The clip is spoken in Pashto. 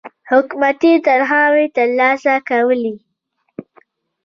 حکومتي تنخواوې تر لاسه کولې.